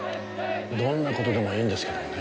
どんな事でもいいんですけどもね。